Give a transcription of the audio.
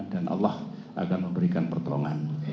dan allah akan memberikan pertolongan